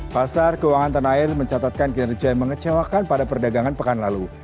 pasar keuangan tanah air mencatatkan kinerja yang mengecewakan pada perdagangan pekan lalu